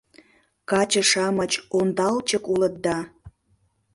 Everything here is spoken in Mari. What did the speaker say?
— Каче-шамыч ондалчык улыт да...